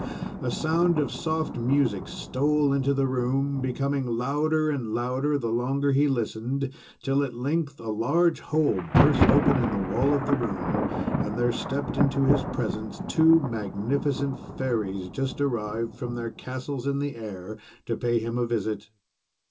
A sound of soft music stole into the room, becoming louder and louder, the longer he listened, till at length a large hole burst open in the wall of the room. Then there stepped into his presence two magnificent Fairies, just arrived from their castles in the air, to pay him a visit.